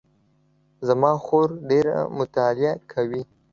زما خور ډېره مطالعه کوي